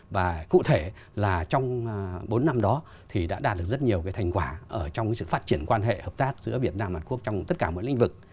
và cụ thể là trong bốn năm đó thì đã đạt được rất nhiều thành quả trong sự phát triển quan hệ hợp tác giữa việt nam và hàn quốc trong tất cả mọi lĩnh vực